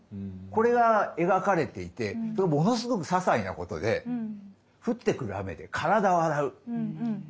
これが描かれていてそれがものすごくささいなことで降ってくる雨で体を洗う。